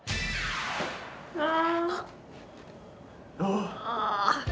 あっああ。